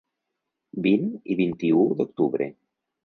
Vint i vint-i-u d’octubre.